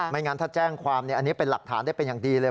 งั้นถ้าแจ้งความอันนี้เป็นหลักฐานได้เป็นอย่างดีเลย